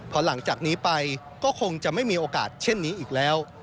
พอหลังจากนี้ไปก็คงจะไม่มีโอกาสเช่นนี้อีกแล้ว